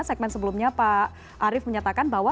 segmen sebelumnya pak arief menyatakan bahwa